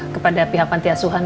kepada pihak pantiasuhan